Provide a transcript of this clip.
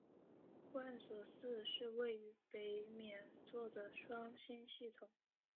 贯索四是位于北冕座的双星系统。